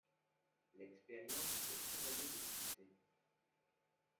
L'expérience est couronnée de succès.